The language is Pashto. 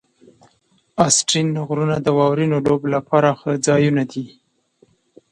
آسټرین غرونه د واورینو لوبو لپاره ښه ځایونه دي.